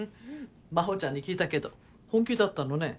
真帆ちゃんに聞いたけど本気だったのね。